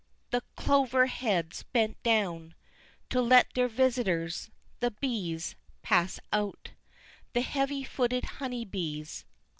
The clover heads bent down To let their visitors the bees pass out, The heavy footed honey bees.